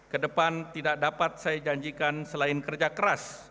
kedepan tidak dapat saya janjikan selain kerja keras